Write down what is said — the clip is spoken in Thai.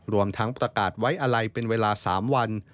รวมทั้งประกาศไว้อะไรเป็นเวลา๓วัน